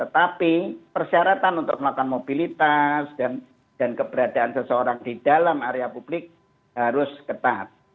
tapi persyaratan untuk melakukan mobilitas dan keberadaan seseorang di dalam area publik harus ketat